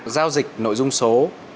giao dịch nội dung số